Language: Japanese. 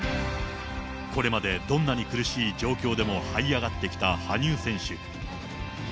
これまでどんなに苦しい状況でもはい上がってきた羽生選手。